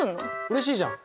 うれしいじゃん。